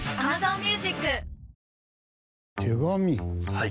はい。